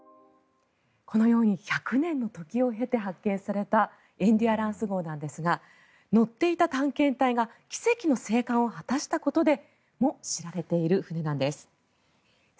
このように１００年の時を経て発見された「エンデュアランス号」なんですが乗っていた探検隊が奇跡の生還を果たしたことでも知られている船なんです。